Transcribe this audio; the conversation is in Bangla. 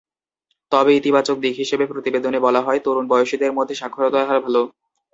তবে ইতিবাচক দিক হিসেবে প্রতিবেদনে বলা হয়, তরুণ বয়সীদের মধ্যে সাক্ষরতার হার ভালো।